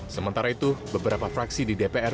sementara itu beberapa fraksi di dpr